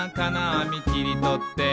あみきりとって」